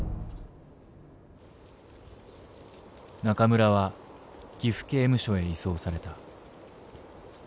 中村は岐阜刑務所へ移送された。